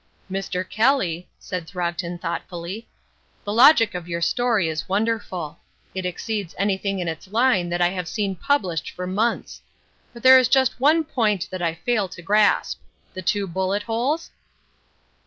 "Mr. Kelly," said Throgton thoughtfully, "the logic of your story is wonderful. It exceeds anything in its line that I have seen published for months. But there is just one point that I fail to grasp. The two bullet holes?"